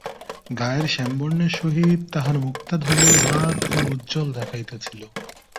গায়ের শ্যামবর্ণের সহিত তাঁহার মুক্তা-ধবল দাঁত খুব উজ্জ্বল দেখাইতেছিল।